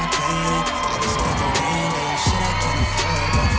ผมรู้สึกร่อยมากรู้ปะครับ